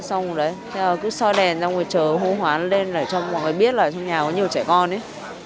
xong rồi đấy thế là cứ soi đèn ra ngoài chờ hô hóa nó lên để cho mọi người biết là trong nhà có nhiều trẻ con đấy